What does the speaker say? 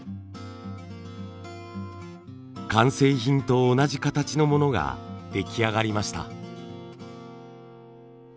完成品と同じ形のものが出来上がりました。